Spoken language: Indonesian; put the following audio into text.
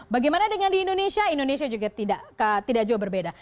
bagaimana dengan di indonesia indonesia juga tidak jauh berbeda